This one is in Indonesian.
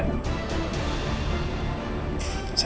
tuanku tidak banyak